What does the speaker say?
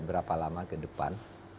berapa lama ke depan